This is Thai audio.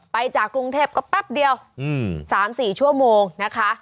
จากกรุงเทพก็แป๊บเดียว๓๔ชั่วโมงนะคะ